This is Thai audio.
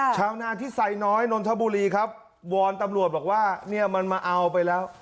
ชาวนาที่ไซน้อยนนทบุรีครับวอนตำรวจบอกว่าเนี่ยมันมาเอาไปแล้ว